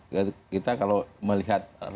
jadi kita kalau melihat